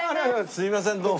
すいませんどうも。